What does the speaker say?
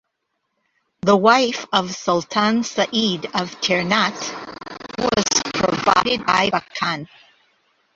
The wife of Sultan Said of Ternate was provided by Bacan.